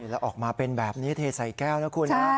แล้วออกมาเป็นแบบนี้เทใส่แก้วนะคุณนะ